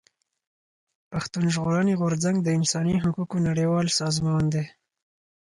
پښتون ژغورني غورځنګ د انساني حقوقو نړيوال سازمان دی.